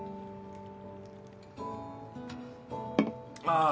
ああ。